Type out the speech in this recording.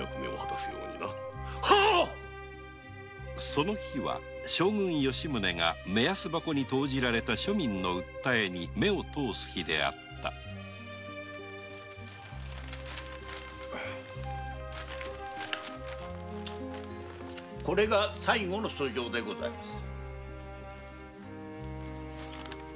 その日は将軍吉宗が目安箱に投じられた庶民の訴えに目をとおす日であったこれが最後の訴状でございます。